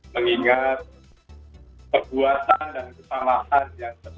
mengingat perbuatan dan kesalahan yang terjadi